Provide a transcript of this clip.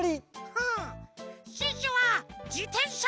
うん。